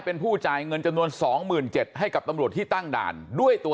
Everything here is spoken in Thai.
เป็นผู้จ่ายเงินจำนวน๒๗๐๐ให้กับตำรวจที่ตั้งด่านด้วยตัว